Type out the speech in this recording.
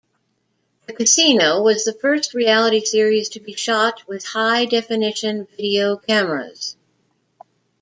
"The Casino" was the first reality series to be shot with high-definition video cameras.